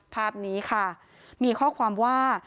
ภาพนี้ค่ะมีข้อความว่า